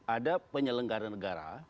ada penyelenggara negara